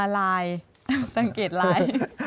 ลายสังเกตลาย